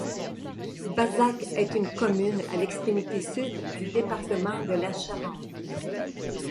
Bazac est une commune située à l'extrémité sud du département de la Charente.